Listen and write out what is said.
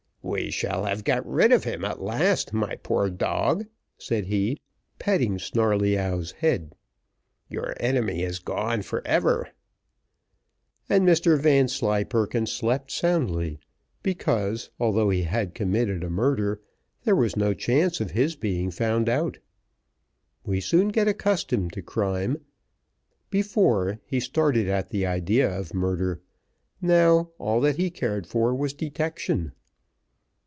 "We shall have got rid of him at last, my poor dog," said he, patting Snarleyyow's head. "Your enemy is gone for ever." And Mr Vanslyperken slept soundly, because, although he had committed a murder, there was no chance of his being found out. We soon get accustomed to crime: before, he started at the idea of murder; now, all that he cared for was detection.